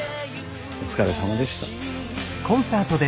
お疲れさまでした。